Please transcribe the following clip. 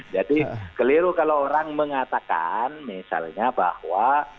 jadi keliru kalau orang mengatakan misalnya bahwa